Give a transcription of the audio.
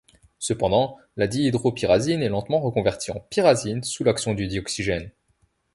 Cependant la dihydropyrazine est lentement reconvertie en pyrazine sous l'action du dioxygène.